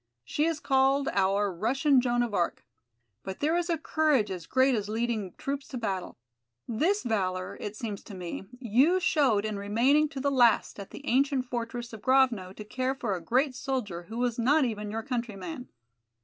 She is called our 'Russian Joan of Arc.' But there is a courage as great as leading troops to battle. This valor, it seems to me, you showed in remaining to the last at the ancient fortress of Grovno to care for a great soldier who was not even your countryman.